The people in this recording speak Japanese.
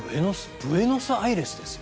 ブエノスアイレスですよ。